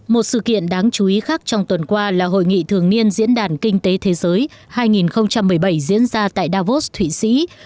một sự kiện đáng chú ý khác trong tuần qua là hội nghị thường niên diễn đàn kinh tế thế giới hai nghìn một mươi bảy diễn ra tại davos thụy sĩ